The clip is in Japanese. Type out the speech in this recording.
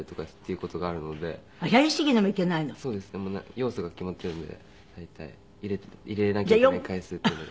要素が決まっているので大体入れなきゃいけない回数っていうのが。